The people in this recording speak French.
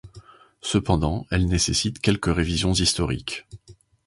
Cependant, elle nécessite quelques révisions historiques.